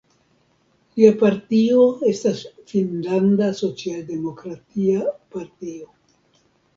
Lia partio estas Finnlanda socialdemokratia partio.